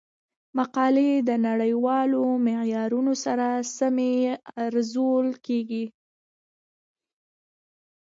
مقالې د نړیوالو معیارونو سره سمې ارزول کیږي.